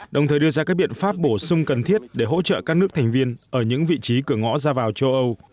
đồng thời đưa ra các biện pháp bổ sung cần thiết để hỗ trợ các nước thành viên ở những vị trí cửa ngõ ra vào châu âu